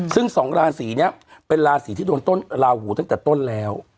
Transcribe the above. ซึ่งสองราศีนี้เป็นราศีที่โดนต้นลาหูตั้งแต่ต้นแล้ว